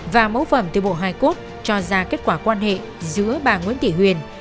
và mẫu phẩm từ bộ hai quốc cho ra kết quả quan hệ giữa bà nguyễn tỷ huyền